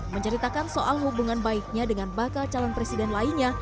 menceritakan soal hubungan baiknya dengan bakal calon presiden lainnya